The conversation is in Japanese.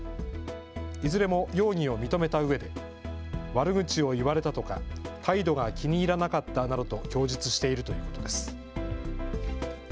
いずれも容疑を認めたうえで悪口を言われたとか態度が気に入らなかったなどと供述しているということです。